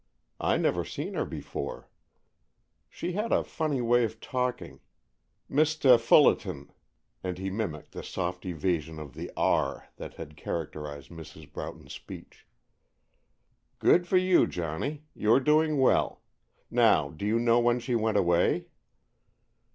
I never seen her before. She had a funny way of talking, 'Misteh Fullehton,'" and he mimicked the soft evasion of the "r" that had characterized Mrs. Broughton's speech. "Good for you, Johnny. You are doing well. Now do you know when she went away?"